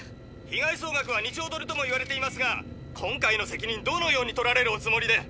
「ひ害総額は２兆ドルとも言われていますが今回の責任どのように取られるおつもりで？」。